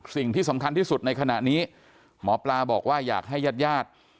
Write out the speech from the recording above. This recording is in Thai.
สิ่งที่สำคัญที่สุดในขณะนี้หมอปลาบอกว่าอยากให้ญาติญาติ